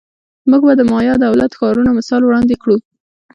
موږ به د مایا دولت ښارونو مثال وړاندې کړو